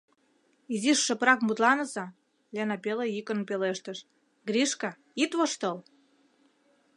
— Изиш шыпрак мутланыза, — Лена пеле йӱкын пелештыш, — Гришка, ит воштыл.